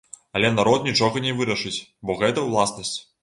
Але народ нічога не вырашыць, бо гэта ўласнасць.